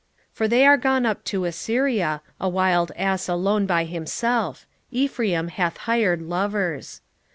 8:9 For they are gone up to Assyria, a wild ass alone by himself: Ephraim hath hired lovers.